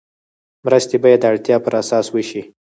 مرستې باید د اړتیا پر اساس وشي.